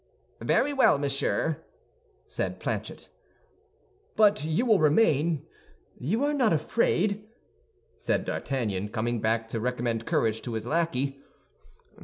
"Very well, monsieur," said Planchet. "But you will remain; you are not afraid?" said D'Artagnan, coming back to recommend courage to his lackey.